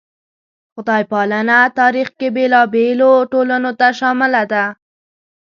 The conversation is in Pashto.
خدای پالنه تاریخ کې بېلابېلو ټولنو ته شامله ده.